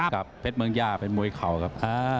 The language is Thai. กับเพชรเมืองย่าเป็นมวยเข่าครับ